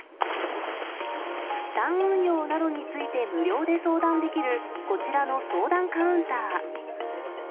資産運用などについて無料で相談できるこちらの相談カウンター。